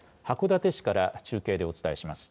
函館市から中継でお伝えします。